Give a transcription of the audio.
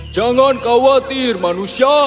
jangan khawatir manusia